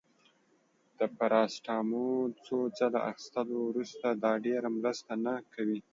د پاراسټامول څو ځله اخیستلو وروسته، دا ډیره مرسته نه کوي.